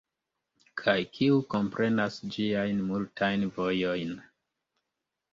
Kaj kiu komprenas ĝiajn multajn vojojn?